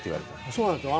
そうなんですよ。